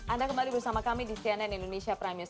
anda kembali bersama kami di cnn indonesia prime news